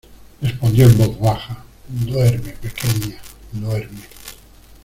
Respondió en voz baja: duerme pequeña, duerme